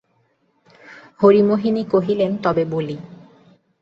হরিমোহিনী কহিলেন, তবে বলি।